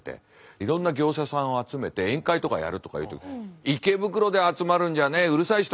いろんな業者さんを集めて宴会とかやるとかいう時池袋で集まるんじゃねえうるさい人がいるから何だから。